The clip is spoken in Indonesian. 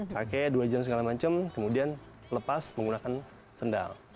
kakek dua jam segala macam kemudian lepas menggunakan sendal